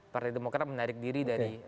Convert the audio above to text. partai demokrat menarik diri dari